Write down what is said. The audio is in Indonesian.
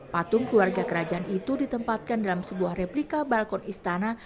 patung keluarga kerajaan itu ditempatkan dalam sebuah replika balkon istana